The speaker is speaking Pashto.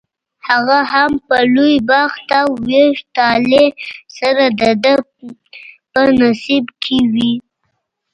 هغه هم په لوی بخت او ویښ طالع سره دده په نصیب کې وي.